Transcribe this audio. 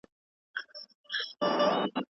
تاسو باید د غوسې پر مهال ځان کنټرول کړئ.